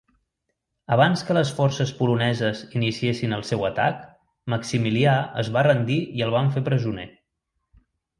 Abans que les forces poloneses iniciessin el seu atac, Maximilià es va rendir i el van fer presoner.